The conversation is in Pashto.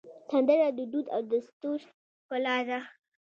سندره د دود او دستور ښکلا ده